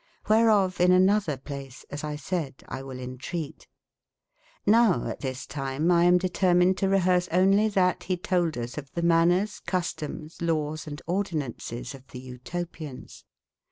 ^berof in anotber place, as X sayde, X will in trete ^]Vow at tbis time 1 am determined to reberse onely tbatbetolde us of tbema ners, customes, lawes and ordinaunces of tbe Cltopians.